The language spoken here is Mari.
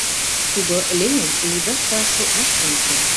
Тудо Леом лудаш да шотлаш туныктен.